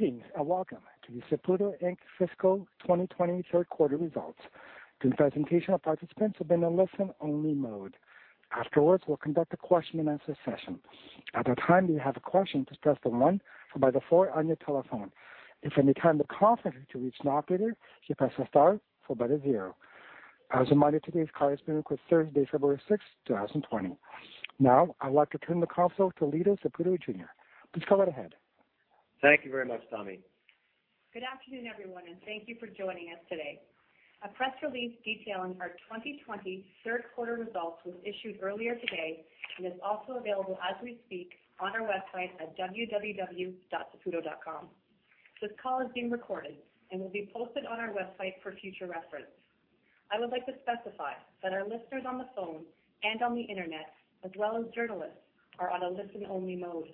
Greetings, and welcome to the Saputo Inc. Fiscal 2020 Third Quarter Results. During the presentation, all participants will be in a listen-only mode. Afterwards, we'll conduct a question-and-answer session. At the time you have a question, just press the one followed by the four on your telephone. If at any time the conference needs to reach an operator, you press the star followed by the zero. As a reminder, today's call is being recorded Thursday, February 6, 2020. Now, I would like to turn the call over to Lino Saputo Jr. Please go ahead. Thank you very much, Tommy. Good afternoon, everyone, and thank you for joining us today. A press release detailing our 2020 third quarter results was issued earlier today and is also available as we speak on our website at www.saputo.com. This call is being recorded and will be posted on our website for future reference. I would like to specify that our listeners on the phone and on the internet, as well as journalists, are on a listen-only mode.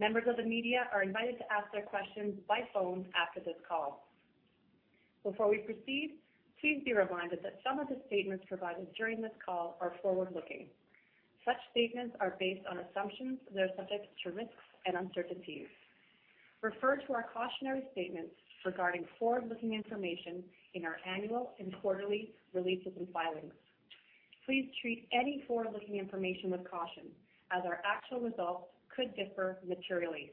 Members of the media are invited to ask their questions by phone after this call. Before we proceed, please be reminded that some of the statements provided during this call are forward-looking. Such statements are based on assumptions that are subject to risks and uncertainties. Refer to our cautionary statements regarding forward-looking information in our annual and quarterly releases and filings. Please treat any forward-looking information with caution, as our actual results could differ materially.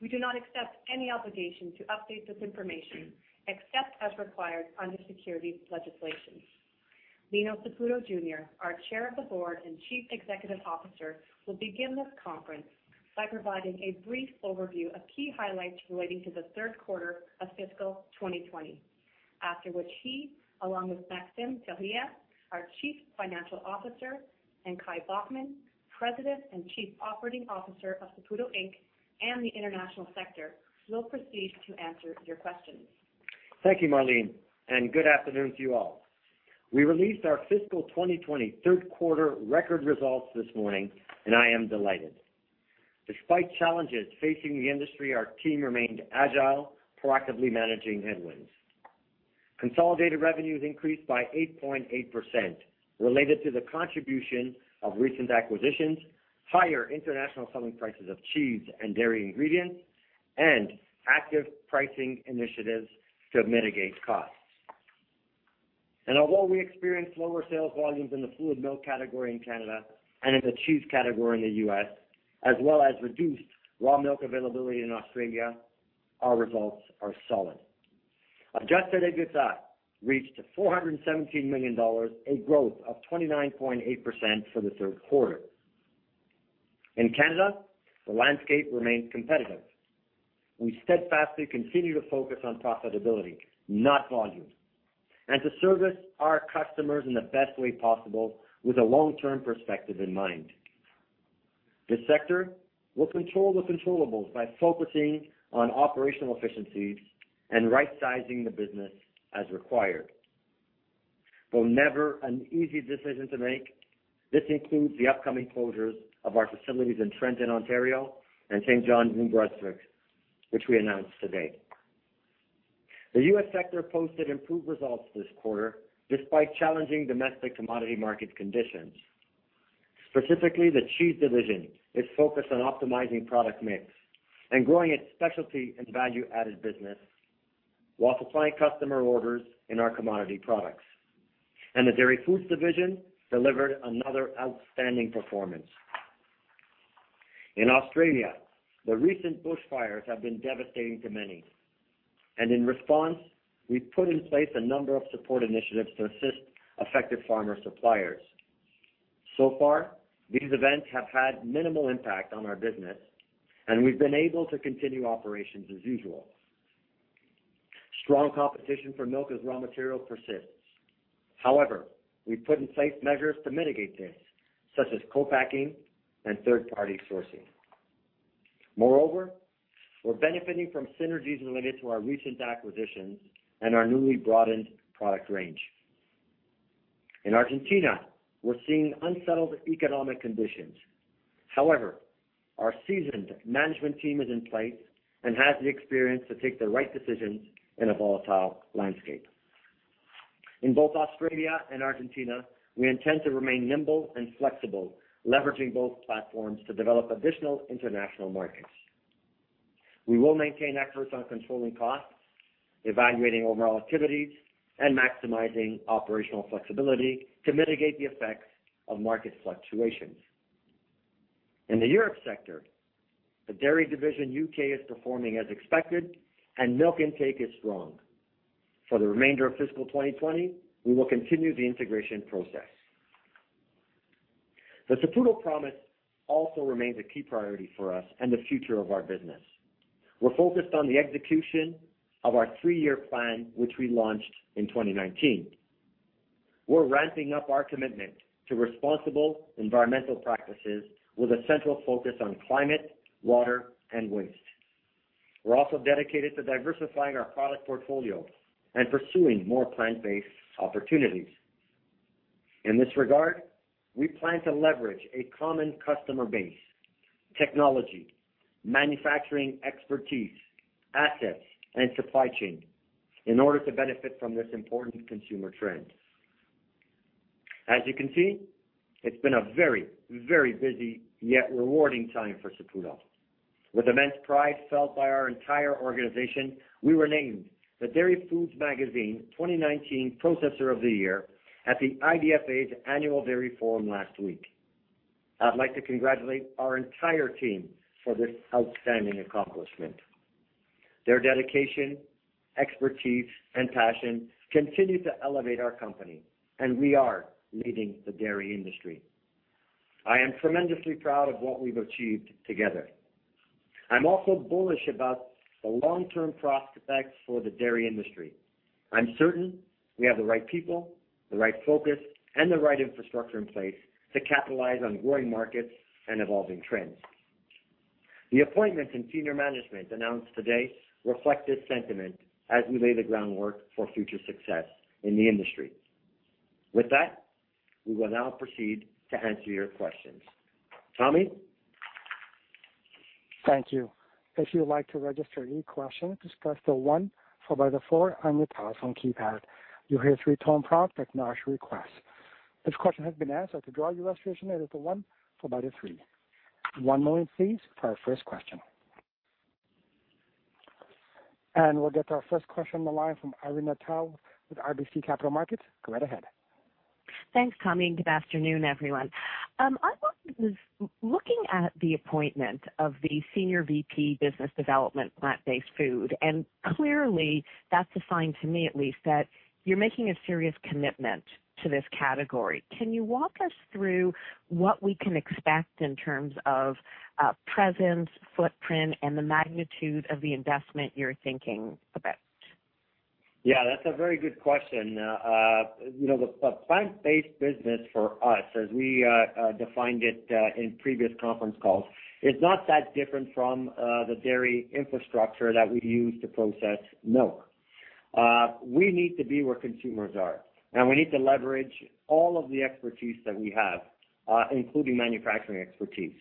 We do not accept any obligation to update this information, except as required under securities legislation. Lino Saputo Jr., our Chair of the Board and Chief Executive Officer, will begin this conference by providing a brief overview of key highlights relating to the third quarter of fiscal 2020, after which he, along with Maxime Therrien, our Chief Financial Officer, and Kai Bockmann, President and Chief Operating Officer of Saputo Inc. and the International Sector, will proceed to answer your questions. Thank you, Marlene, and good afternoon to you all. We released our fiscal 2020 third-quarter record results this morning, and I am delighted. Despite challenges facing the industry, our team remained agile, proactively managing headwinds. Consolidated revenues increased by 8.8% related to the contribution of recent acquisitions, higher international selling prices of cheese and dairy ingredients, and active pricing initiatives to mitigate costs. Although we experienced lower sales volumes in the fluid milk category in Canada and in the cheese category in the U.S., as well as reduced raw milk availability in Australia, our results are solid. Adjusted EBITDA reached 417 million dollars, a growth of 29.8% for the third quarter. In Canada, the landscape remains competitive. We steadfastly continue to focus on profitability, not volume, and to service our customers in the best way possible with a long-term perspective in mind. This sector will control the controllables by focusing on operational efficiencies and right-sizing the business as required. Though never an easy decision to make, this includes the upcoming closures of our facilities in Trenton, Ontario, and Saint John, New Brunswick, which we announced today. The U.S. sector posted improved results this quarter despite challenging domestic commodity market conditions. Specifically, the Cheese division is focused on optimizing product mix and growing its specialty and value-added business while supplying customer orders in our commodity products. The Dairy Foods division delivered another outstanding performance. In Australia, the recent bushfires have been devastating to many, and in response, we've put in place a number of support initiatives to assist affected farmer suppliers. So far, these events have had minimal impact on our business, and we've been able to continue operations as usual. Strong competition for milk as raw material persists. However, we've put in place measures to mitigate this, such as co-packing and third-party sourcing. Moreover, we're benefiting from synergies related to our recent acquisitions and our newly broadened product range. In Argentina, we're seeing unsettled economic conditions. However, our seasoned management team is in place and has the experience to take the right decisions in a volatile landscape. In both Australia and Argentina, we intend to remain nimble and flexible, leveraging both platforms to develop additional international markets. We will maintain efforts on controlling costs, evaluating overall activities, and maximizing operational flexibility to mitigate the effects of market fluctuations. In the Europe sector, the Dairy Division U.K. is performing as expected and milk intake is strong. For the remainder of fiscal 2020, we will continue the integration process. The Saputo Promise also remains a key priority for us and the future of our business. We're focused on the execution of our three-year plan, which we launched in 2019. We're ramping up our commitment to responsible environmental practices with a central focus on climate, water, and waste. We're also dedicated to diversifying our product portfolio and pursuing more plant-based opportunities. In this regard, we plan to leverage a common customer base, technology, manufacturing expertise, assets, and supply chain in order to benefit from this important consumer trend. As you can see, it's been a very busy yet rewarding time for Saputo. With immense pride felt by our entire organization, we were named the Dairy Foods Magazine 2019 Processor of the Year at the IDFA's Annual Dairy Forum last week. I'd like to congratulate our entire team for this outstanding accomplishment. Their dedication, expertise, and passion continue to elevate our company. We are leading the dairy industry. I am tremendously proud of what we've achieved together. I'm also bullish about the long-term prospects for the dairy industry. I'm certain we have the right people, the right focus, and the right infrastructure in place to capitalize on growing markets and evolving trends. The appointments in senior management announced today reflect this sentiment as we lay the groundwork for future success in the industry. With that, we will now proceed to answer your questions. Tommy? Thank you. If you would like to register any question, just press the one followed by the four on your telephone keypad. You'll hear three tone prompts to acknowledge your request. If this question has been answered, to draw your registration, enter the one followed by the three. One moment please for our first question. We'll get to our first question on the line from Irene Nattel with RBC Capital Markets. Go right ahead. Thanks, Tommy. Good afternoon, everyone. I was looking at the appointment of the senior VP Business Development, plant-based food, and clearly that's a sign to me at least that you're making a serious commitment to this category. Can you walk us through what we can expect in terms of presence, footprint, and the magnitude of the investment you're thinking about? Yeah, that's a very good question. The plant-based business for us, as we defined it in previous conference calls, is not that different from the dairy infrastructure that we use to process milk. We need to be where consumers are, and we need to leverage all of the expertise that we have, including manufacturing expertise.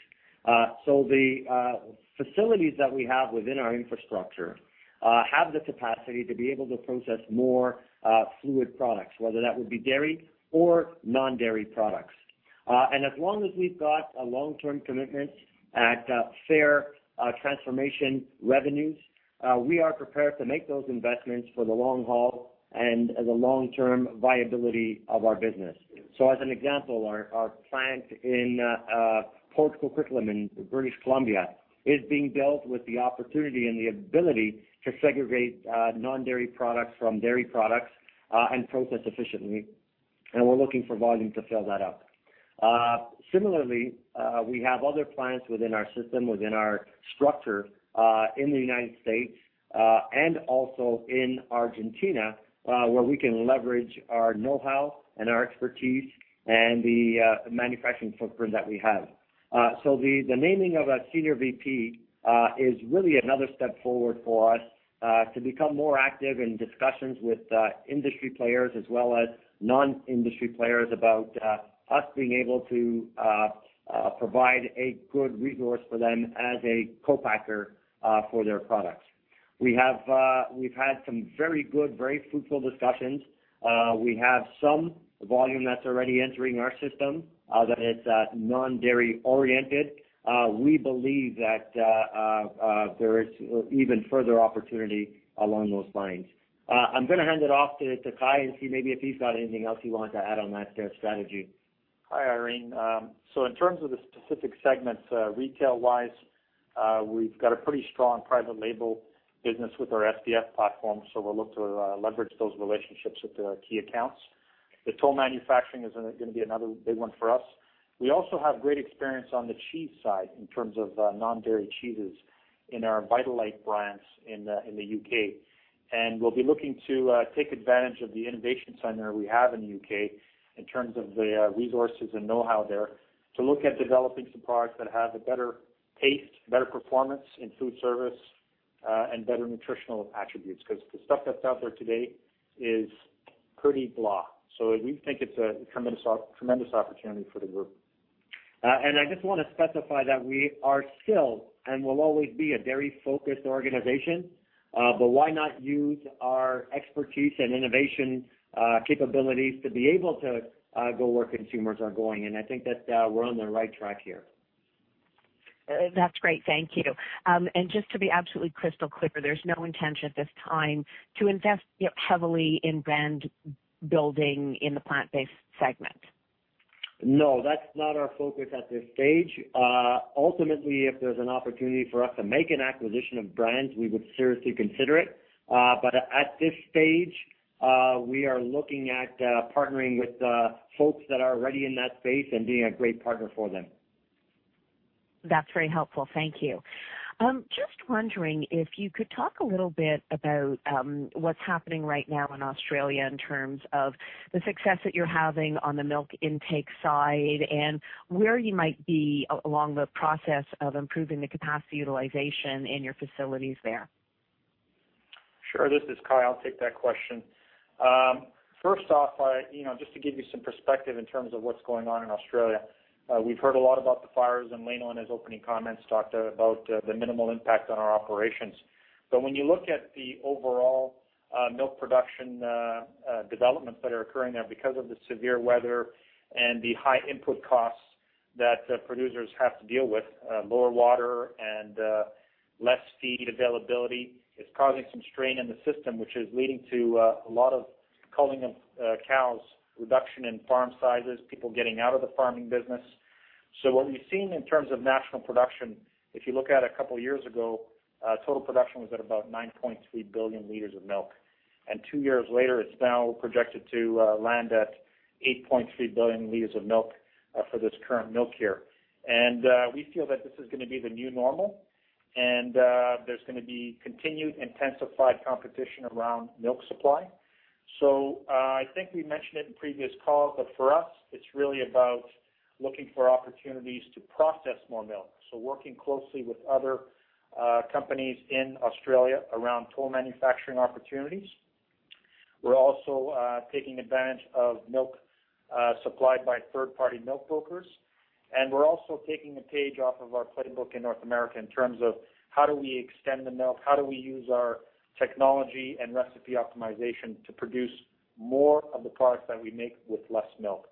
The facilities that we have within our infrastructure have the capacity to be able to process more fluid products, whether that would be dairy or non-dairy products. As long as we've got a long-term commitment at fair transformation revenues, we are prepared to make those investments for the long haul and the long-term viability of our business. As an example, our plant in Port Coquitlam in British Columbia is being built with the opportunity and the ability to segregate non-dairy products from dairy products and process efficiently. We're looking for volume to fill that up. Similarly, we have other plants within our system, within our structure, in the U.S., and also in Argentina, where we can leverage our know-how and our expertise and the manufacturing footprint that we have. The naming of a senior VP is really another step forward for us to become more active in discussions with industry players as well as non-industry players about us being able to provide a good resource for them as a co-packer for their products. We've had some very good, very fruitful discussions. We have some volume that's already entering our system that is non-dairy oriented. We believe that there is even further opportunity along those lines. I'm going to hand it off to Kai and see maybe if he's got anything else he wanted to add on that strategy. Hi, Irene. In terms of the specific segments retail-wise, we've got a pretty strong private label business with our SDF platform. We'll look to leverage those relationships with the key accounts. The toll manufacturing is going to be another big one for us. We also have great experience on the cheese side in terms of non-dairy cheeses in our Vitalite brands in the U.K. We'll be looking to take advantage of the innovation center we have in the U.K. in terms of the resources and know-how there to look at developing some products that have a better taste, better performance in food service, and better nutritional attributes because the stuff that's out there today is pretty blah. We think it's a tremendous opportunity for the group. I just want to specify that we are still and will always be a very focused organization. Why not use our expertise and innovation capabilities to be able to go where consumers are going? I think that we're on the right track here. That's great. Thank you. Just to be absolutely crystal clear, there's no intention at this time to invest heavily in brand building in the plant-based segment? No, that's not our focus at this stage. Ultimately, if there's an opportunity for us to make an acquisition of brands, we would seriously consider it. At this stage, we are looking at partnering with folks that are already in that space and being a great partner for them. That's very helpful. Thank you. Just wondering if you could talk a little bit about what's happening right now in Australia in terms of the success that you're having on the milk intake side and where you might be along the process of improving the capacity utilization in your facilities there? Sure. This is Kai, I'll take that question. First off, just to give you some perspective in terms of what's going on in Australia, we've heard a lot about the fires and Lino in his opening comments talked about the minimal impact on our operations. When you look at the overall milk production developments that are occurring there because of the severe weather and the high input costs that producers have to deal with lower water and less feed availability. It's causing some strain in the system, which is leading to a lot of culling of cows, reduction in farm sizes, people getting out of the farming business. What we've seen in terms of national production, if you look at a couple of years ago, total production was at about 9.3 billion liters of milk. Two years later, it's now projected to land at 8.3 billion liters of milk for this current milk year. We feel that this is going to be the new normal, and there's going to be continued intensified competition around milk supply. I think we mentioned it in previous calls, but for us, it's really about looking for opportunities to process more milk. Working closely with other companies in Australia around toll manufacturing opportunities. We're also taking advantage of milk supplied by third-party milk brokers, and we're also taking a page off of our playbook in North America in terms of how do we extend the milk, how do we use our technology and recipe optimization to produce more of the products that we make with less milk.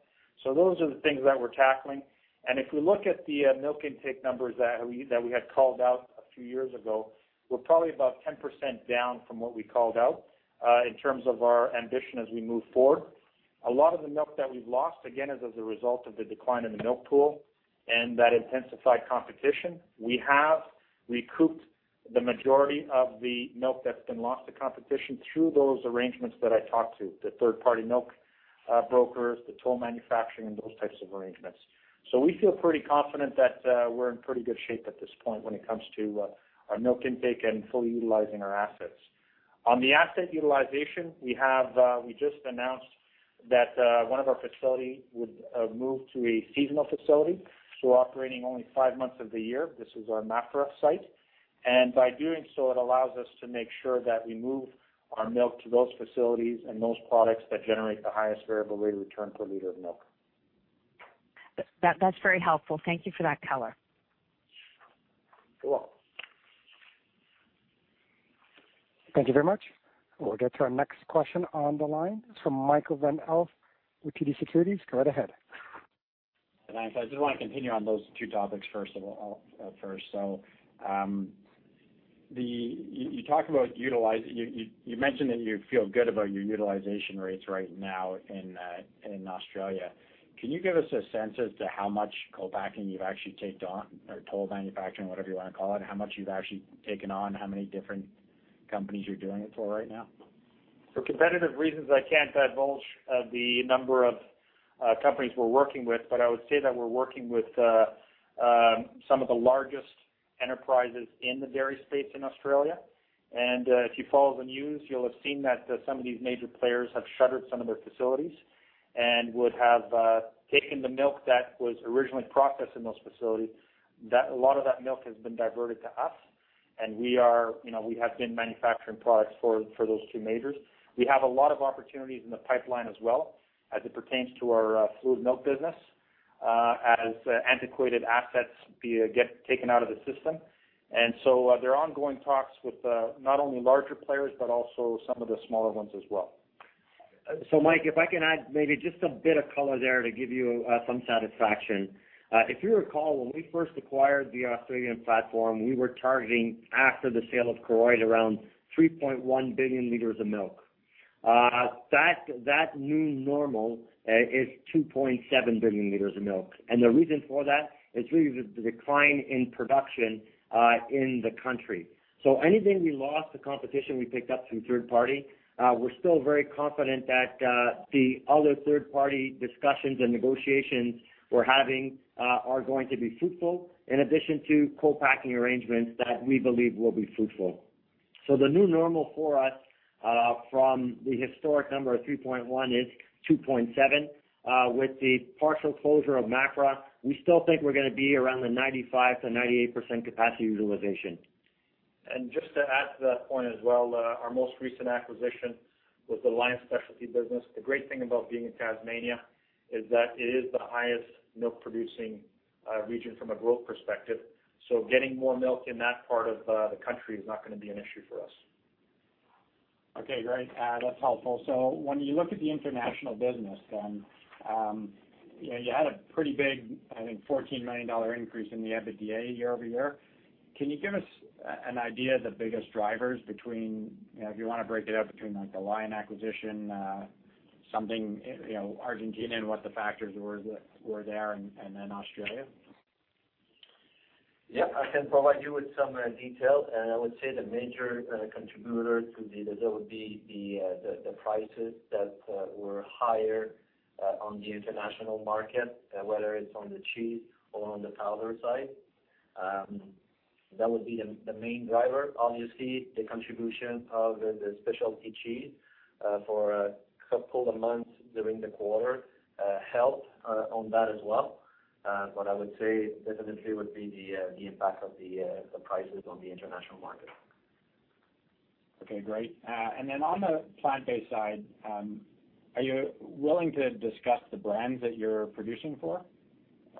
Those are the things that we're tackling. If we look at the milk intake numbers that we had called out a few years ago, we're probably about 10% down from what we called out in terms of our ambition as we move forward. A lot of the milk that we've lost, again, is as a result of the decline in the milk pool and that intensified competition. We have recouped the majority of the milk that's been lost to competition through those arrangements that I talked to, the third-party milk brokers, the toll manufacturing, and those types of arrangements. We feel pretty confident that we're in pretty good shape at this point when it comes to our milk intake and fully utilizing our assets. On the asset utilization, we just announced that one of our facility would move to a seasonal facility, so operating only five months of the year. This is our Maffra site. By doing so, it allows us to make sure that we move our milk to those facilities and those products that generate the highest variable rate of return per liter of milk. That's very helpful. Thank you for that color. You're welcome. Thank you very much. We'll get to our next question on the line from Michael Van Aelst with TD Securities. Go right ahead. Thanks. I just want to continue on those two topics first. You mentioned that you feel good about your utilization rates right now in Australia. Can you give us a sense as to how much co-packing you've actually taken on or toll manufacturing, whatever you want to call it, how much you've actually taken on, how many different companies you're doing it for right now? For competitive reasons, I can't divulge the number of companies we're working with, but I would say that we're working with some of the largest enterprises in the dairy space in Australia. If you follow the news, you'll have seen that some of these major players have shuttered some of their facilities and would have taken the milk that was originally processed in those facilities. A lot of that milk has been diverted to us, and we have been manufacturing products for those two majors. We have a lot of opportunities in the pipeline as well as it pertains to our fluid milk business as antiquated assets get taken out of the system. There are ongoing talks with not only larger players, but also some of the smaller ones as well. Mike, if I can add maybe just a bit of color there to give you some satisfaction. If you recall, when we first acquired the Australian platform, we were targeting after the sale of Koroit around 3.1 billion liters of milk. That new normal is 2.7 billion liters of milk. The reason for that is really the decline in production in the country. Anything we lost to competition, we picked up from third party. We're still very confident that all the third-party discussions and negotiations we're having are going to be fruitful, in addition to co-packing arrangements that we believe will be fruitful. The new normal for us from the historic number of 3.1 is 2.7. With the partial closure of Maffra, we still think we're going to be around the 95%-98% capacity utilization. Just to add to that point as well, our most recent acquisition was the Lion Specialty business. The great thing about being in Tasmania is that it is the highest milk-producing region from a growth perspective. Getting more milk in that part of the country is not going to be an issue for us. Okay, great. That's helpful. When you look at the international business, you had a pretty big, I think, 14 million dollar increase in the EBITDA year-over-year. Can you give us an idea of the biggest drivers between, if you want to break it up between the Lion acquisition something, Argentina and what the factors were there and then Australia? Yeah, I can provide you with some details. I would say the major contributor to that would be the prices that were higher on the international market, whether it's on the cheese or on the powder side. That would be the main driver. Obviously, the contribution of the specialty cheese for a couple of months during the quarter helped on that as well. I would say definitely would be the impact of the prices on the international market. Okay, great. On the plant-based side, are you willing to discuss the brands that you're producing for?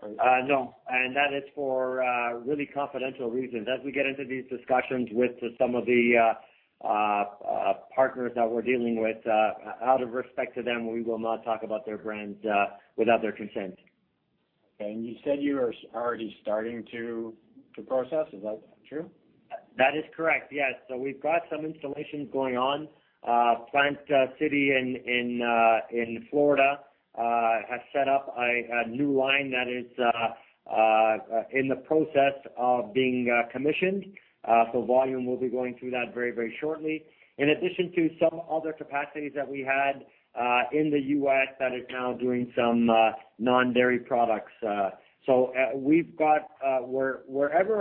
No. That is for really confidential reasons. As we get into these discussions with some of the partners that we are dealing with, out of respect to them, we will not talk about their brands without their consent. You said you are already starting to process. Is that true? That is correct. Yes. We've got some installations going on. Plant City in Florida has set up a new line that is in the process of being commissioned. Volume will be going through that very shortly. In addition to some other capacities that we had in the U.S. that are now doing some non-dairy products. Wherever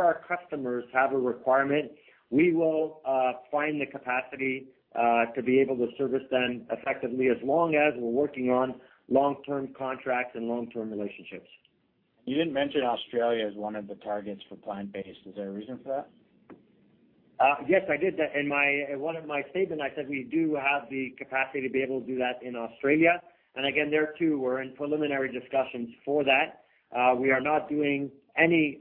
our customers have a requirement, we will find the capacity to be able to service them effectively as long as we're working on long-term contracts and long-term relationships. You didn't mention Australia as one of the targets for plant-based. Is there a reason for that? Yes, I did. In one of my statements, I said we do have the capacity to be able to do that in Australia. Again, there too, we're in preliminary discussions for that. We are not doing any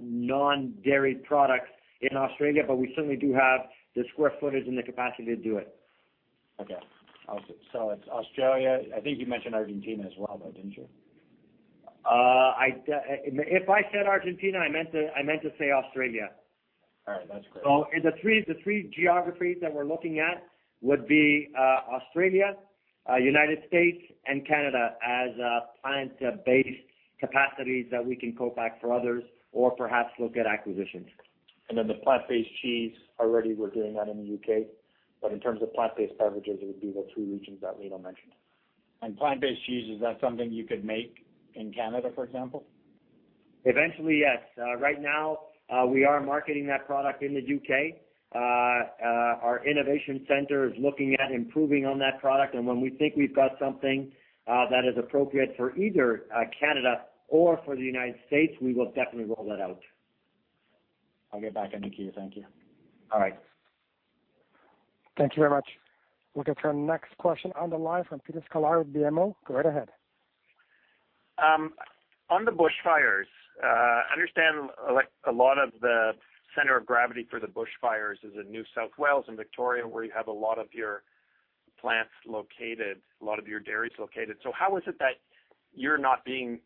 non-dairy products in Australia, but we certainly do have the square footage and the capacity to do it. Okay. It's Australia. I think you mentioned Argentina as well, though, didn't you? If I said Argentina, I meant to say Australia. All right, that's great. The three geographies that we're looking at would be Australia, United States, and Canada as plant-based capacities that we can co-pack for others or perhaps look at acquisitions. The plant-based cheese already we're doing that in the U.K., but in terms of plant-based beverages, it would be the three regions that Lino mentioned. Plant-based cheese, is that something you could make in Canada, for example? Eventually, yes. Right now, we are marketing that product in the U.K. Our innovation center is looking at improving on that product and when we think we've got something that is appropriate for either Canada or for the U.S., we will definitely roll that out. I'll get back in the queue. Thank you. All right. Thank you very much. Looking for the next question on the line from Peter Sklar of BMO. Go right ahead. On the bushfires, I understand a lot of the center of gravity for the bushfires is in New South Wales and Victoria where you have a lot of your plants located, a lot of your dairy is located. How is it that you're not being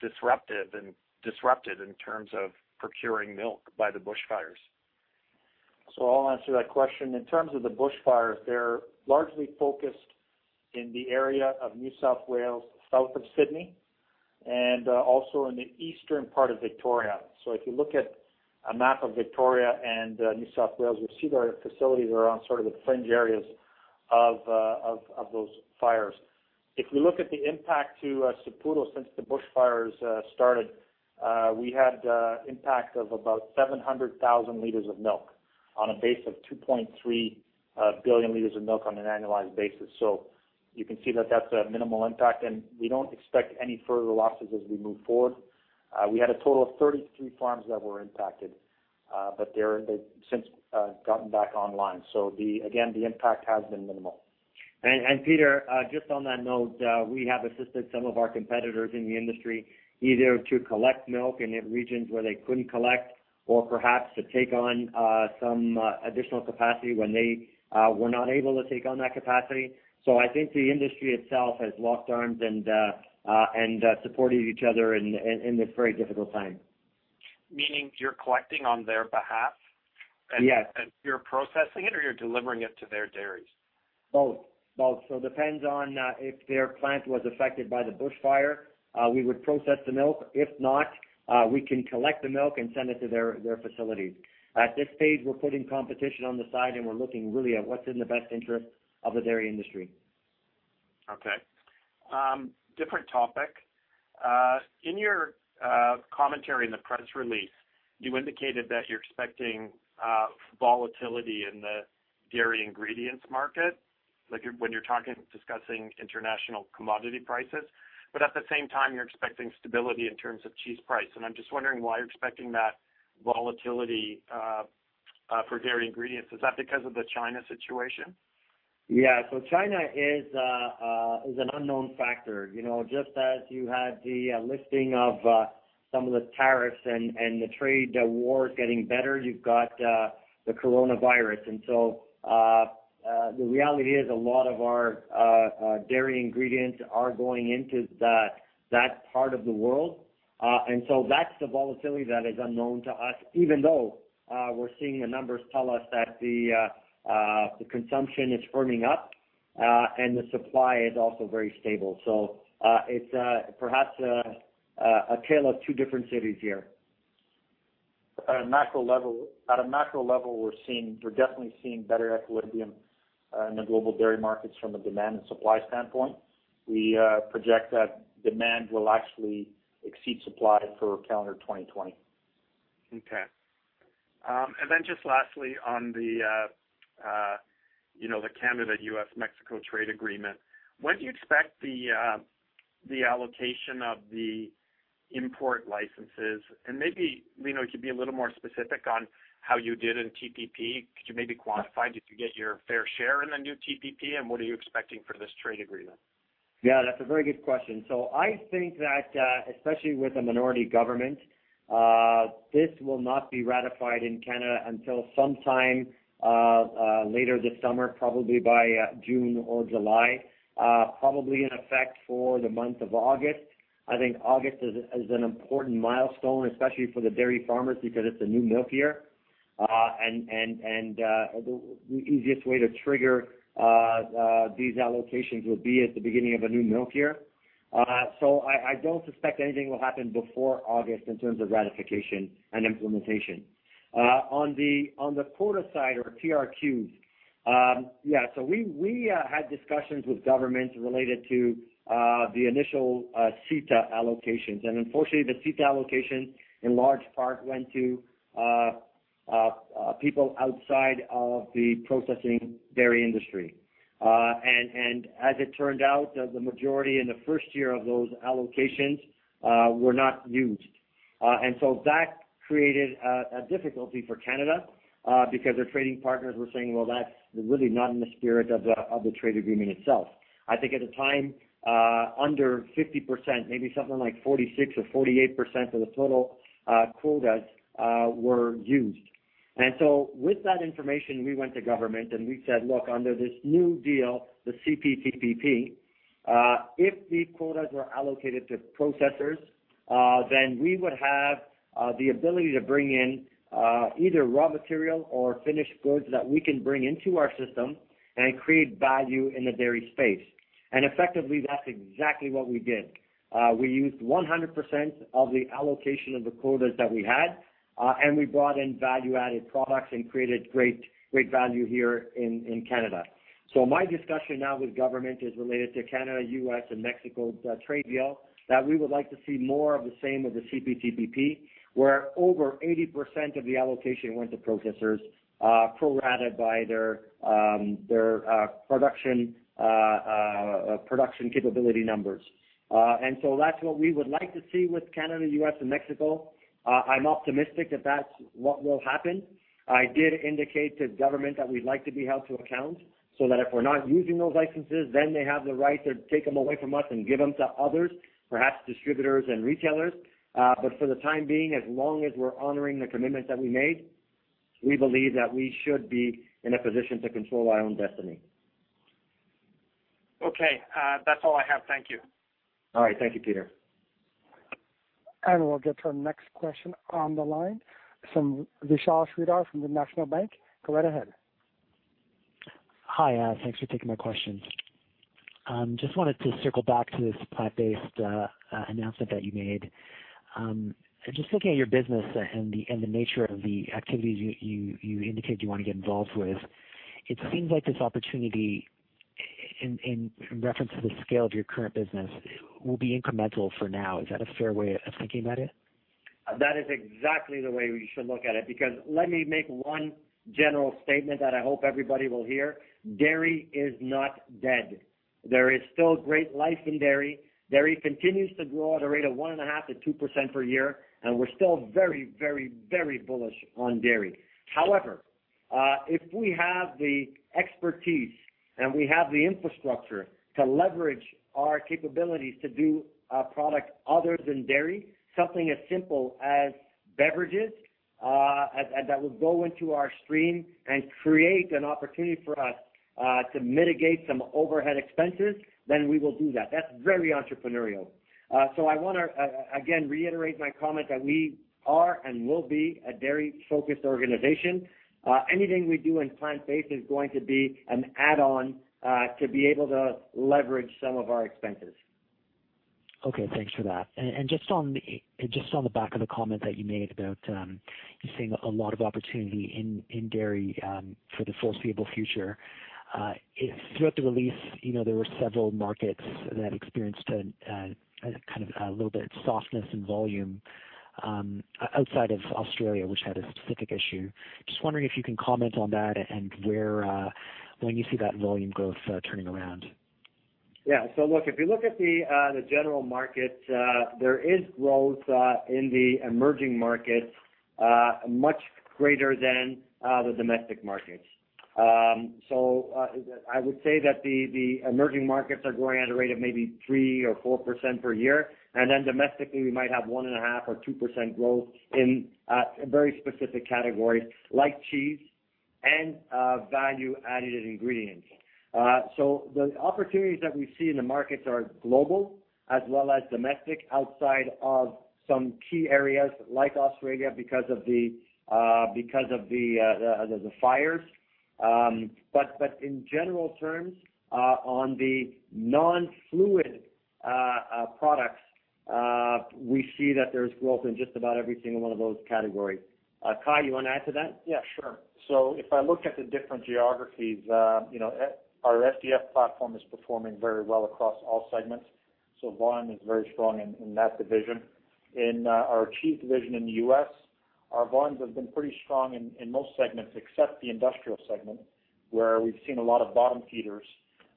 disrupted in terms of procuring milk by the bushfires? I'll answer that question. In terms of the bushfires, they're largely focused in the area of New South Wales, south of Sydney, and also in the eastern part of Victoria. If you look at a map of Victoria and New South Wales, you'll see their facilities are on sort of the fringe areas of those fires. If we look at the impact to Saputo since the bushfires started, we had impact of about 700,000 liters of milk on a base of 2.3 billion liters of milk on an annualized basis. You can see that that's a minimal impact and we don't expect any further losses as we move forward. We had a total of 33 farms that were impacted, but they've since gotten back online. Again, the impact has been minimal. Peter, just on that note, we have assisted some of our competitors in the industry either to collect milk in regions where they couldn't collect or perhaps to take on some additional capacity when they were not able to take on that capacity. I think the industry itself has locked arms and supported each other in this very difficult time. Meaning you're collecting on their behalf? Yes. You're processing it or you're delivering it to their dairies? Both. Depends on if their plant was affected by the bushfire, we would process the milk. If not, we can collect the milk and send it to their facilities. At this stage, we're putting competition on the side and we're looking really at what's in the best interest of the dairy industry. Okay. Different topic. In your commentary in the press release, you indicated that you're expecting volatility in the dairy ingredients market, like when you're discussing international commodity prices. At the same time, you're expecting stability in terms of cheese price and I'm just wondering why you're expecting that volatility for dairy ingredients. Is that because of the China situation? Yeah. China is an unknown factor. Just as you had the lifting of some of the tariffs and the trade war getting better, you've got the coronavirus. The reality is a lot of our dairy ingredients are going into that part of the world. That's the volatility that is unknown to us even though we're seeing the numbers tell us that the consumption is firming up and the supply is also very stable. It's perhaps a tale of two different cities here. At a macro level, we're definitely seeing better equilibrium in the global dairy markets from a demand and supply standpoint. We project that demand will actually exceed supply for calendar 2020. Okay. Just lastly on the Canada, U.S., Mexico trade agreement, when do you expect the allocation of the import licenses? Maybe, Lino, if you'd be a little more specific on how you did in CPTPP. Could you maybe quantify, did you get your fair share in the new CPTPP and what are you expecting for this trade agreement? Yeah, that's a very good question. I think that especially with a minority government. This will not be ratified in Canada until sometime later this summer, probably by June or July. Probably in effect for the month of August. I think August is an important milestone, especially for the dairy farmers, because it's a new milk year. The easiest way to trigger these allocations will be at the beginning of a new milk year. I don't suspect anything will happen before August in terms of ratification and implementation. On the quota side or TRQs, so we had discussions with government related to the initial CETA allocations. Unfortunately, the CETA allocations in large part went to people outside of the processing dairy industry. As it turned out, the majority in the first year of those allocations were not used. That created a difficulty for Canada, because their trading partners were saying, "Well, that's really not in the spirit of the trade agreement itself." I think at the time, under 50%, maybe something like 46% or 48% of the total quotas were used. With that information, we went to government and we said, "Look, under this new deal, the CPTPP, if these quotas were allocated to processors, then we would have the ability to bring in either raw material or finished goods that we can bring into our system and create value in the dairy space." Effectively, that's exactly what we did. We used 100% of the allocation of the quotas that we had, and we brought in value-added products and created great value here in Canada. My discussion now with government is related to Canada, U.S., and Mexico's trade deal, that we would like to see more of the same with the CPTPP, where over 80% of the allocation went to processors, pro rata by their production capability numbers. That's what we would like to see with Canada, U.S., and Mexico. I'm optimistic that that's what will happen. I did indicate to government that we'd like to be held to account so that if we're not using those licenses, then they have the right to take them away from us and give them to others, perhaps distributors and retailers. For the time being, as long as we're honoring the commitments that we made, we believe that we should be in a position to control our own destiny. Okay. That's all I have. Thank you. All right. Thank you, Peter. We'll get to our next question on the line from Vishal Shreedhar from the National Bank. Go right ahead. Hi. Thanks for taking my question. Just wanted to circle back to this plant-based announcement that you made. Just looking at your business and the nature of the activities you indicate you want to get involved with, it seems like this opportunity, in reference to the scale of your current business, will be incremental for now. Is that a fair way of thinking about it? That is exactly the way we should look at it, because let me make one general statement that I hope everybody will hear. Dairy is not dead. There is still great life in dairy. Dairy continues to grow at a rate of 1.5% to 2% per year, and we're still very bullish on dairy. However, if we have the expertise and we have the infrastructure to leverage our capabilities to do products other than dairy, something as simple as beverages that will go into our stream and create an opportunity for us to mitigate some overhead expenses, then we will do that. That's very entrepreneurial. I want to again reiterate my comment that we are and will be a dairy-focused organization. Anything we do in plant-based is going to be an add-on to be able to leverage some of our expenses. Okay, thanks for that. Just on the back of the comment that you made about you seeing a lot of opportunity in dairy for the foreseeable future. Throughout the release, there were several markets that experienced a little bit of softness in volume outside of Australia, which had a specific issue. Just wondering if you can comment on that and when you see that volume growth turning around? If you look at the general market, there is growth in the emerging markets much greater than the domestic markets. I would say that the emerging markets are growing at a rate of maybe 3% or 4% per year. Domestically, we might have 1.5% or 2% growth in very specific categories like cheese and value-added ingredients. The opportunities that we see in the markets are global as well as domestic, outside of some key areas like Australia because of the fires. In general terms, on the non-fluid products, we see that there's growth in just about every single one of those categories. Kai, you want to add to that? Yeah, sure. If I look at the different geographies our SDF platform is performing very well across all segments, so volume is very strong in that division. In our cheese division in the U.S., our volumes have been pretty strong in most segments except the industrial segment, where we've seen a lot of bottom feeders.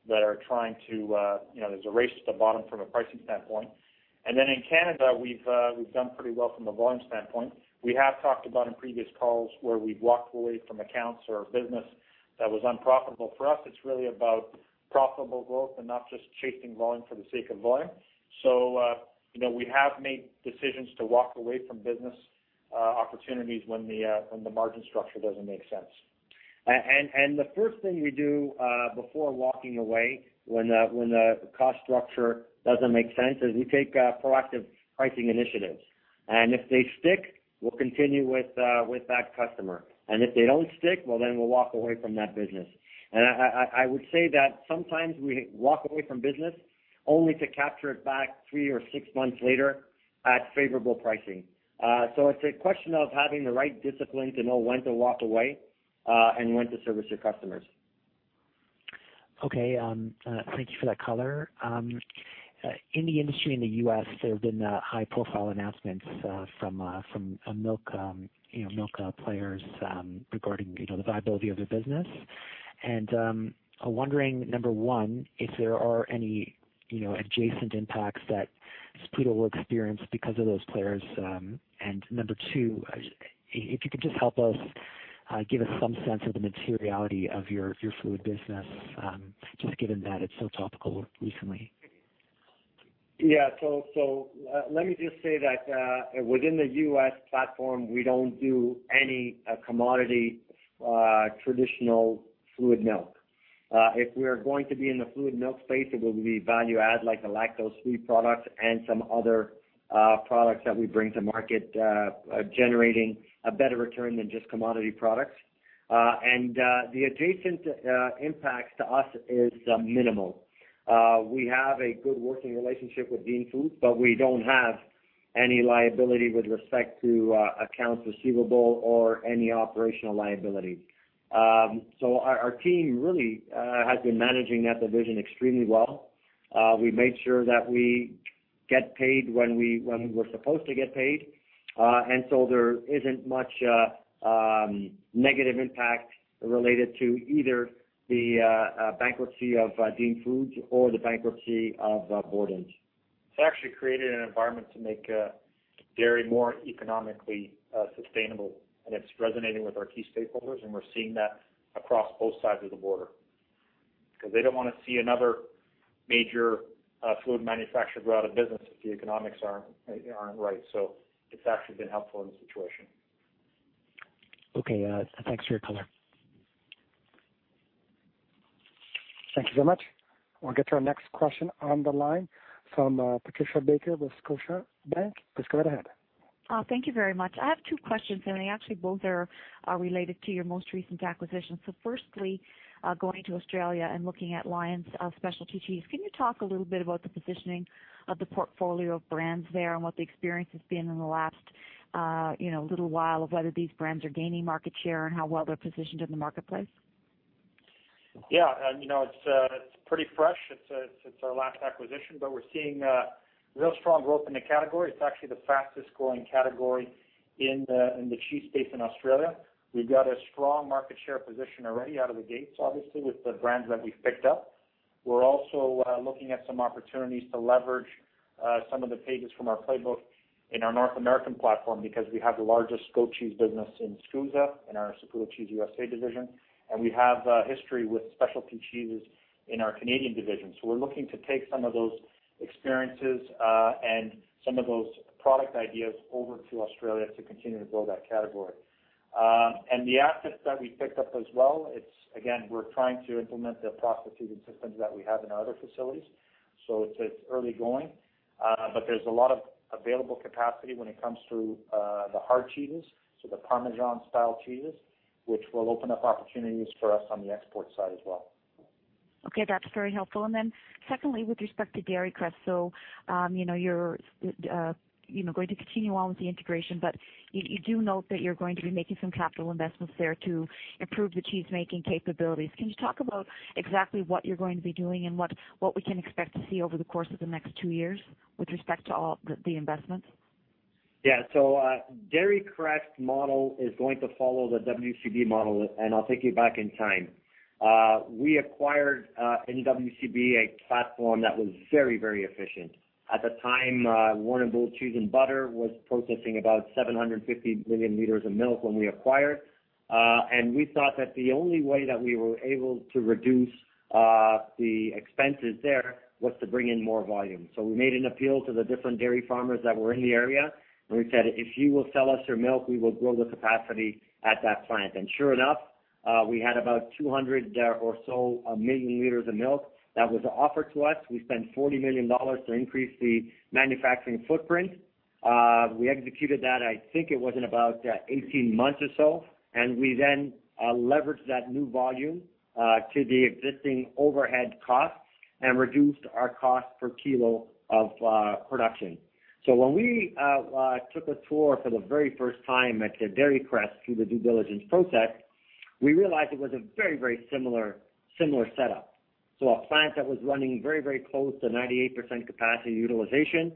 There's a race to the bottom from a pricing standpoint. In Canada, we've done pretty well from a volume standpoint. We have talked about in previous calls where we've walked away from accounts or business that was unprofitable for us. It's really about profitable growth and not just chasing volume for the sake of volume. We have made decisions to walk away from business opportunities when the margin structure doesn't make sense. The first thing we do before walking away when the cost structure doesn't make sense, is we take proactive pricing initiatives. If they stick, we'll continue with that customer. If they don't stick, well, we'll walk away from that business. I would say that sometimes we walk away from business only to capture it back three or six months later at favorable pricing. It's a question of having the right discipline to know when to walk away and when to service your customers. Okay. Thank you for that color. In the industry in the U.S., there have been high-profile announcements from milk players regarding the viability of their business. I'm wondering, number one, if there are any adjacent impacts that Saputo will experience because of those players. Number two, if you could just help us give us some sense of the materiality of your fluid business, just given that it's so topical recently. Yeah. Let me just say that within the U.S. platform, we don't do any commodity traditional fluid milk. If we are going to be in the fluid milk space, it will be value-add, like the lactose-free products and some other products that we bring to market generating a better return than just commodity products. The adjacent impacts to us is minimal. We have a good working relationship with Dean Foods, but we don't have any liability with respect to accounts receivable or any operational liability. Our team really has been managing that division extremely well. We made sure that we get paid when we were supposed to get paid. There isn't much negative impact related to either the bankruptcy of Dean Foods or the bankruptcy of Borden. It's actually created an environment to make dairy more economically sustainable, and it's resonating with our key stakeholders, and we're seeing that across both sides of the border. They don't want to see another major fluid manufacturer go out of business if the economics aren't right. It's actually been helpful in the situation. Okay. Thanks for your color. Thank you so much. We'll get to our next question on the line from Patricia Baker with Scotiabank. Please go right ahead. Thank you very much. I have two questions, and actually both are related to your most recent acquisition. Firstly, going to Australia and looking at Lion Dairy & Drinks Specialty Cheese, can you talk a little bit about the positioning of the portfolio of brands there and what the experience has been in the last little while of whether these brands are gaining market share and how well they're positioned in the marketplace? Yeah. It's pretty fresh. It's our last acquisition, but we're seeing real strong growth in the category. It's actually the fastest-growing category in the cheese space in Australia. We've got a strong market share position already out of the gates, obviously, with the brands that we've picked up. We're also looking at some opportunities to leverage some of the pages from our playbook in our North American platform because we have the largest goat cheese business in Scusa, in our Saputo Cheese USA division. We have a history with specialty cheeses in our Canadian division. We're looking to take some of those experiences and some of those product ideas over to Australia to continue to build that category. The assets that we picked up as well, again, we're trying to implement the processing systems that we have in our other facilities. It's early going. There's a lot of available capacity when it comes to the hard cheeses, so the Parmesan-style cheeses, which will open up opportunities for us on the export side as well. Okay, that's very helpful. Then secondly, with respect to Dairy Crest. You're going to continue on with the integration, but you do note that you're going to be making some capital investments there to improve the cheese-making capabilities. Can you talk about exactly what you're going to be doing and what we can expect to see over the course of the next two years with respect to all the investments? Yeah. Dairy Crest model is going to follow the WCB model, and I'll take you back in time. We acquired in WCB a platform that was very efficient. At the time, Warrnambool Cheese & Butter was processing about 750 million liters of milk when we acquired. We thought that the only way that we were able to reduce the expenses there was to bring in more volume. We made an appeal to the different dairy farmers that were in the area, and we said, "If you will sell us your milk, we will grow the capacity at that plant." Sure enough, we had about 200 or so million liters of milk that was offered to us. We spent 40 million dollars to increase the manufacturing footprint. We executed that, I think it was in about 18 months or so. We then leveraged that new volume to the existing overhead costs and reduced our cost per kilo of production. When we took a tour for the very first time at Dairy Crest through the due diligence process, we realized it was a very similar setup. A plant that was running very close to 98% capacity utilization,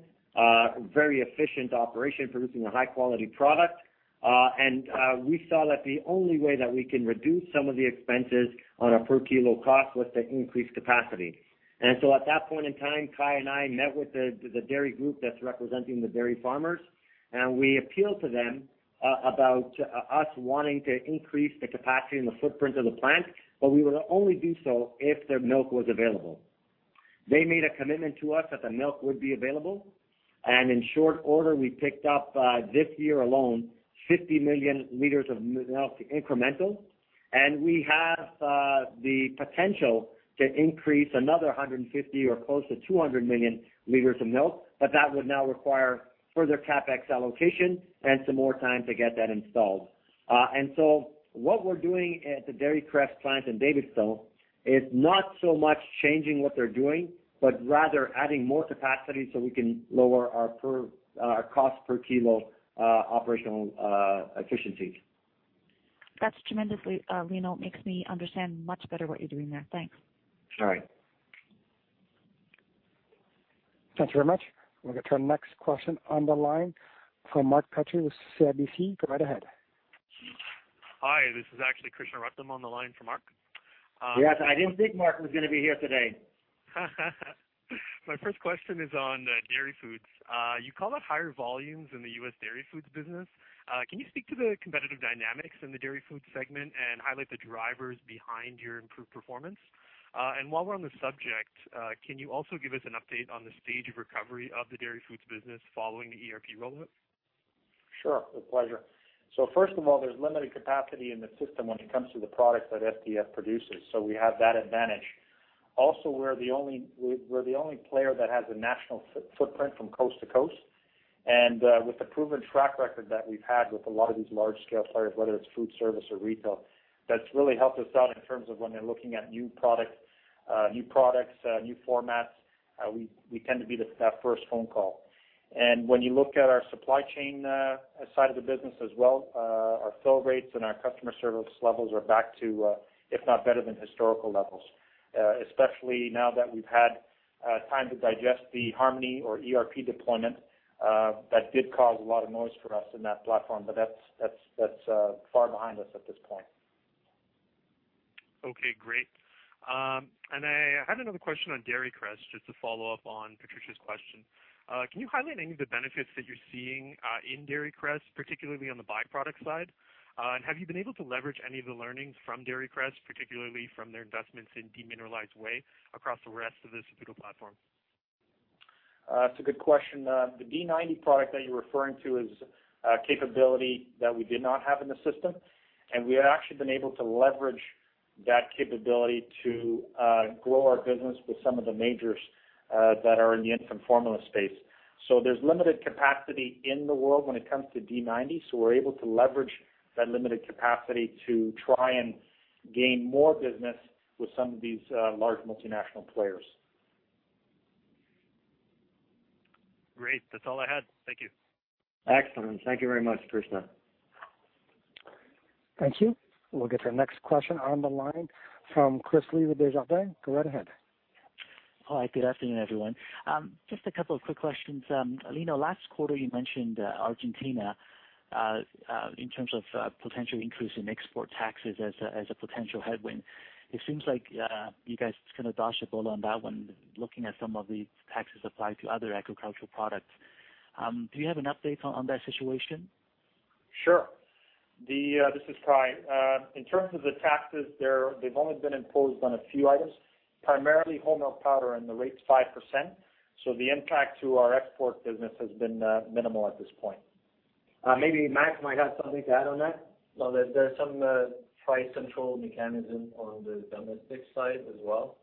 very efficient operation producing a high-quality product. We saw that the only way that we can reduce some of the expenses on a per-kilo cost was to increase capacity. At that point in time, Kai and I met with the dairy group that's representing the dairy farmers, and we appealed to them about us wanting to increase the capacity and the footprint of the plant, but we would only do so if their milk was available. They made a commitment to us that the milk would be available, and in short order, we picked up, this year alone, 50 million liters of milk incremental. We have the potential to increase another 150 or close to 200 million liters of milk, but that would now require further CapEx allocation and some more time to get that installed. What we're doing at the Dairy Crest plant in Davidstow is not so much changing what they're doing, but rather adding more capacity so we can lower our cost per kilo operational efficiency. That's tremendously, Lino. It makes me understand much better what you're doing there. Thanks. Alright. Thank you very much. We'll get to our next question on the line from Mark Petrie with CIBC. Go right ahead. Hi, this is actually Krishna Ruthnum on the line for Mark. Yes, I didn't think Mark was going to be here today. My first question is on Dairy Foods. You called out higher volumes in the U.S. Dairy Foods business. Can you speak to the competitive dynamics in the Dairy Foods segment and highlight the drivers behind your improved performance? While we're on the subject, can you also give us an update on the stage of recovery of the Dairy Foods business following the ERP rollout? Sure. A pleasure. First of all, there's limited capacity in the system when it comes to the product that SDF produces. Also, we're the only player that has a national footprint from coast to coast. With the proven track record that we've had with a lot of these large-scale players, whether it's food service or retail, that's really helped us out in terms of when they're looking at new products, new formats, we tend to be that first phone call. When you look at our supply chain side of the business as well, our fill rates and our customer service levels are back to, if not better than historical levels. Especially now that we've had time to digest the Harmoni or ERP deployment that did cause a lot of noise for us in that platform, but that's far behind us at this point. Okay, great. I had another question on Dairy Crest, just to follow up on Patricia's question. Can you highlight any of the benefits that you're seeing in Dairy Crest, particularly on the byproduct side? Have you been able to leverage any of the learnings from Dairy Crest, particularly from their investments in demineralized whey across the rest of the Saputo platform? That's a good question. The D90 product that you're referring to is a capability that we did not have in the system. We have actually been able to leverage that capability to grow our business with some of the majors that are in the infant formula space. There's limited capacity in the world when it comes to D90. We're able to leverage that limited capacity to try and gain more business with some of these large multinational players. Great. That's all I had. Thank you. Excellent. Thank you very much, Krishna. Thank you. We'll get our next question on the line from Chris Li with Desjardins. Go right ahead. Hi, good afternoon, everyone. Just a couple of quick questions. Lino, last quarter, you mentioned Argentina, in terms of potential increase in export taxes as a potential headwind. It seems like you guys kind of dodged a bullet on that one, looking at some of the taxes applied to other agricultural products. Do you have an update on that situation? Sure. This is Kai. In terms of the taxes, they've only been imposed on a few items, primarily whole milk powder, and the rate's 5%. The impact to our export business has been minimal at this point. Maybe Max might have something to add on that. Well, there's some price control mechanism on the domestic side as well,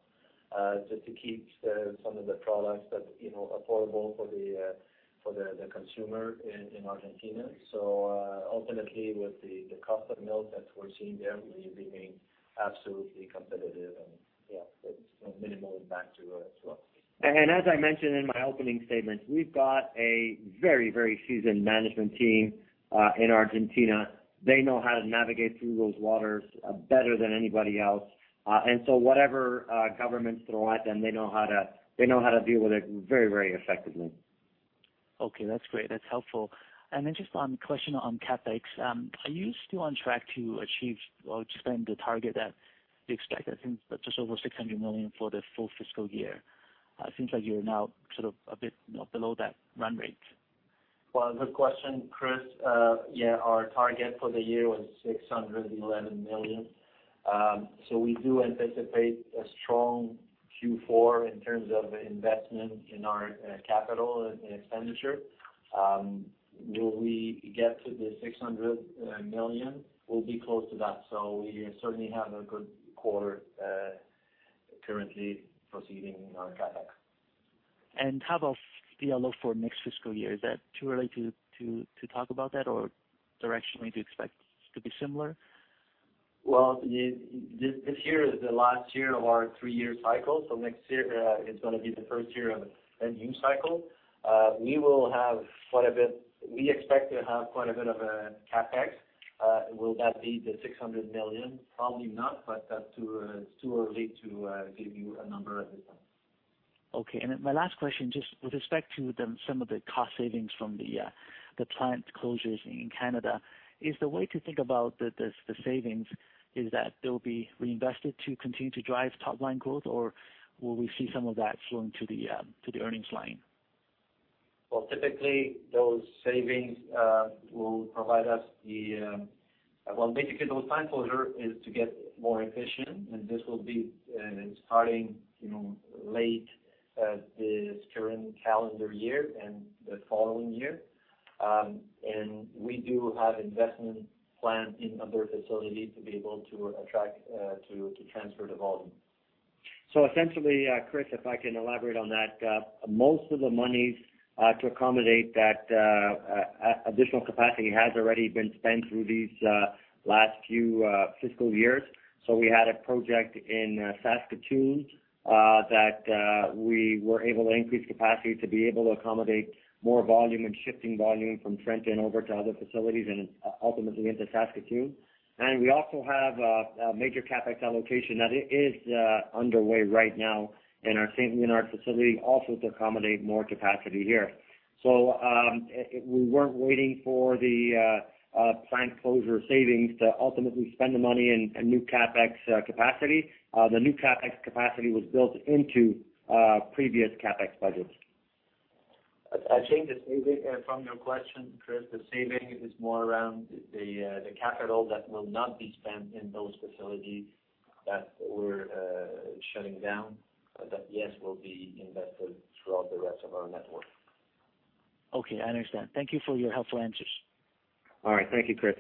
just to keep some of the products affordable for the consumer in Argentina. Ultimately with the cost of milk that we're seeing there, we remain absolutely competitive and yeah, so minimal impact to us as well. As I mentioned in my opening statement, we've got a very seasoned management team in Argentina. They know how to navigate through those waters better than anybody else. Whatever governments throw at them, they know how to deal with it very effectively. Okay, that's great. That's helpful. Then just one question on CapEx. Are you still on track to achieve or spend the target that you expect? I think just over 600 million for the full fiscal year. It seems like you're now sort of a bit below that run rate. Well, good question, Chris. Yeah, our target for the year was 611 million. We do anticipate a strong Q4 in terms of investment in our capital expenditure. Will we get to the 600 million? We'll be close to that. We certainly have a good quarter currently proceeding on CapEx. How about the outlook for next fiscal year? Is that too early to talk about that, or directionally, do you expect to be similar? Well, this year is the last year of our three-year cycle, so next year is going to be the first year of a new cycle. We expect to have quite a bit of a CapEx. Will that be the 600 million? Probably not, but that's too early to give you a number at this time. Okay, my last question, just with respect to some of the cost savings from the plant closures in Canada. Is the way to think about the savings is that they'll be reinvested to continue to drive top-line growth, or will we see some of that flowing to the earnings line? Well, typically, those savings will provide us basically those plant closure is to get more efficient. This will be starting late this current calendar year and the following year. We do have investment plans in other facilities to be able to transfer the volume. Essentially, Chris, if I can elaborate on that, most of the monies to accommodate that additional capacity has already been spent through these last few fiscal years. We had a project in Saskatoon that we were able to increase capacity to be able to accommodate more volume and shifting volume from Trenton over to other facilities and ultimately into Saskatoon. We also have a major CapEx allocation that is underway right now in our Saint-Léonard facility also to accommodate more capacity here. We weren't waiting for the plant closure savings to ultimately spend the money in new CapEx capacity. The new CapEx capacity was built into previous CapEx budgets. I think the saving from your question, Chris, the saving is more around the capital that will not be spent in those facilities that we're shutting down, that, yes, will be invested throughout the rest of our network. Okay, I understand. Thank you for your helpful answers. All right. Thank you, Chris.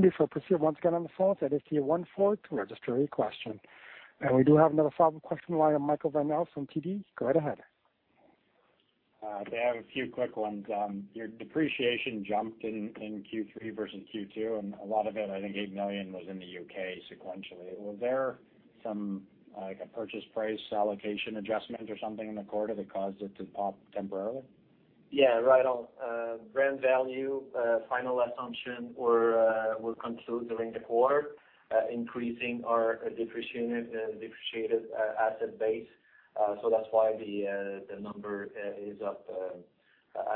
Before proceed, once again on the phone, press star one four to register your question. We do have another follow-up question on the line from Michael Van Aelst from TD. Go right ahead. I have a few quick ones. Your depreciation jumped in Q3 versus Q2, and a lot of it, I think 8 million, was in the U.K. sequentially. Was there some purchase price allocation adjustment or something in the quarter that caused it to pop temporarily? Yeah. Right on. Brand value, final assumption were concluded during the quarter, increasing our depreciated asset base. That's why the number is up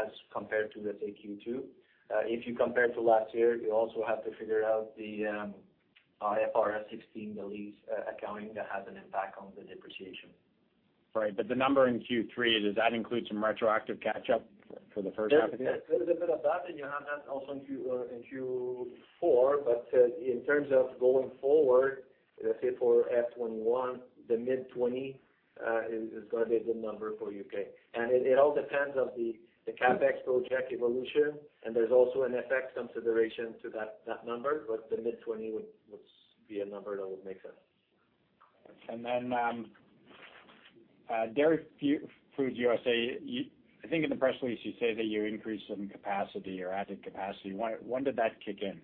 as compared to, let's say, Q2. If you compare to last year, you also have to figure out the IFRS 16, the lease accounting that has an impact on the depreciation. Right. The number in Q3, does that include some retroactive catch-up for the first half of the year? There's a bit of that, and you have that also in Q4. In terms of going forward, let's say for FY 2021, the mid-20% is going to be the number for U.K. It all depends on the CapEx project evolution, and there's also an FX consideration to that number, but the mid-20% would be a number that would make sense. Dairy Foods USA, I think in the press release you say that you increased some capacity or added capacity. When did that kick in?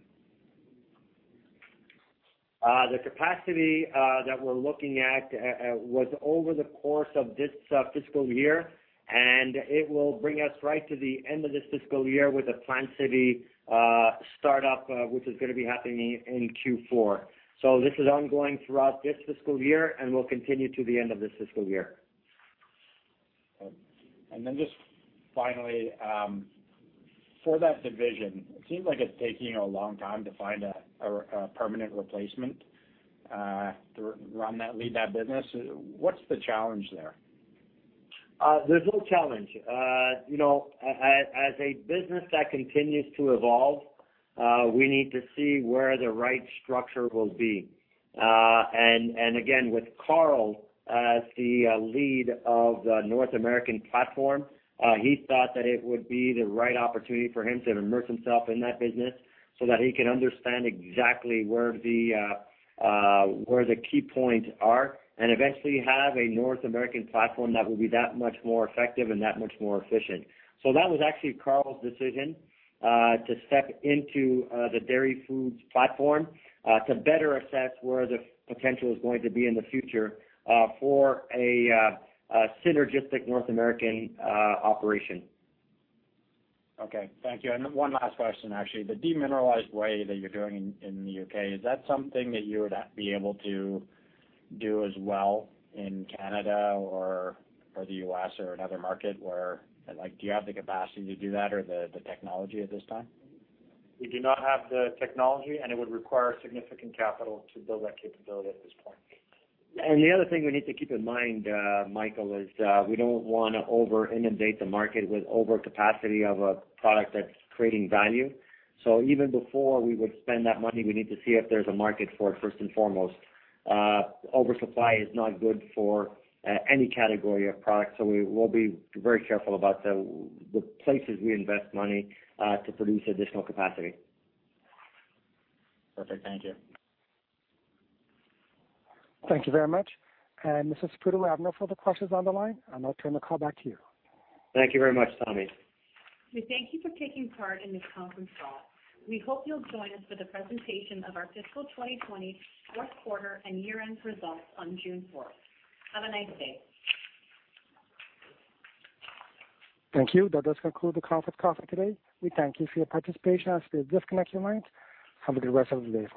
The capacity that we're looking at was over the course of this fiscal year, and it will bring us right to the end of this fiscal year with the Plant City startup, which is going to be happening in Q4. This is ongoing throughout this fiscal year and will continue to the end of this fiscal year. Just finally, for that division, it seems like it's taking a long time to find a permanent replacement to lead that business. What's the challenge there? There's no challenge. As a business that continues to evolve, we need to see where the right structure will be. Again, with Carl as the lead of the North American platform, he thought that it would be the right opportunity for him to immerse himself in that business so that he can understand exactly where the key points are and eventually have a North American platform that will be that much more effective and that much more efficient. That was actually Carl's decision to step into the Dairy Foods platform, to better assess where the potential is going to be in the future for a synergistic North American operation. Okay. Thank you. One last question, actually. The demineralized whey that you're doing in the U.K., is that something that you would be able to do as well in Canada or the U.S. or another market where, do you have the capacity to do that or the technology at this time? We do not have the technology, and it would require significant capital to build that capability at this point. The other thing we need to keep in mind, Michael, is we don't want to over-inundate the market with overcapacity of a product that's creating value. Even before we would spend that money, we need to see if there's a market for it, first and foremost. Oversupply is not good for any category of product. We'll be very careful about the places we invest money to produce additional capacity. Perfect. Thank you. Thank you very much. Mr. Saputo, I have no further questions on the line. I'll now turn the call back to you. Thank you very much, Tommy. We thank you for taking part in this conference call. We hope you'll join us for the presentation of our fiscal 2020 fourth quarter and year-end results on June 4th. Have a nice day. Thank you. That does conclude the conference call for today. We thank you for your participation. As we disconnect your lines, have a good rest of your day.